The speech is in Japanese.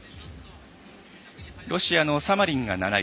ロシアのサマリンが７位。